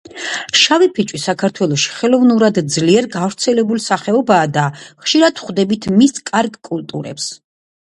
შავი ფიჭვი საქართველოში ხელოვნურად ძლიერ გავრცელებული სახეობაა და ხშირად ვხვდებით მის კარგ კულტურებს.